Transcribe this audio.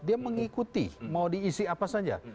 dia mengikuti mau diisi apa saja